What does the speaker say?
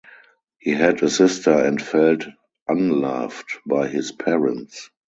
He had a sister and "felt unloved" by his parents.